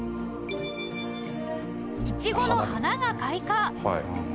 イチゴの花が開花